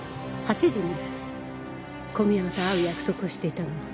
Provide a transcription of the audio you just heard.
８時に小宮山と会う約束をしていたの。